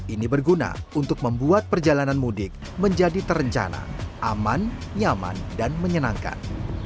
ini berguna untuk membuat perjalanan mudik menjadi terencana aman nyaman dan menyenangkan